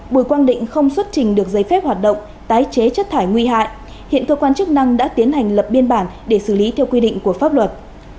bùi quang định không xuất trình được giấy phép hoạt động tái chế chất thải nguy hại hiện cơ quan chức năng đã tiến hành lập biên bản để xử lý theo quy định của pháp luật